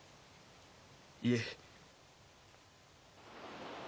いえ。